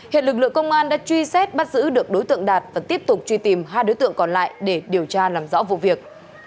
hiện lực lượng công an đã truy xét bắt giữ được đối tượng đạt và tiếp tục truy tìm hai đối tượng còn lại để điều tra làm rõ vụ việc